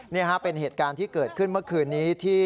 นี่ฮะเป็นเหตุการณ์ที่เกิดขึ้นเมื่อคืนนี้ที่